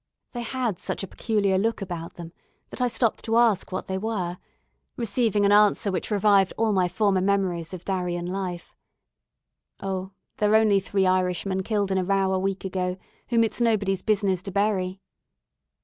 They had such a peculiar look about them that I stopped to ask what they were, receiving an answer which revived all my former memories of Darien life, "Oh, they're only three Irishmen killed in a row a week ago, whom it's nobody's business to bury."